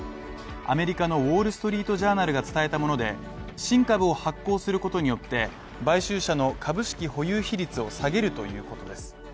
アメリカの「ウォール・ストリート・ジャーナル」が伝えたもので、新株を発行することによって買収者の株式保有比率を下げるということです。